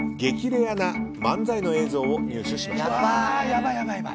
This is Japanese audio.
レアな漫才の映像を入手しました。